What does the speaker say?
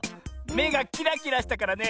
めがキラキラしたからね